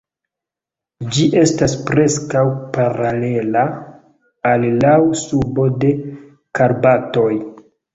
Ĝi estas preskaŭ paralela al laŭ subo de Karpatoj.